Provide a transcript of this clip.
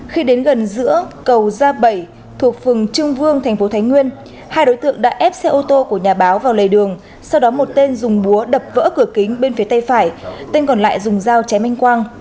khi đến gần giữa cầu gia bảy thuộc phường trung vương thành phố thái nguyên hai đối tượng đã ép xe ô tô của nhà báo vào lề đường sau đó một tên dùng búa đập vỡ cửa kính bên phía tây phải tên còn lại dùng dao chém anh quang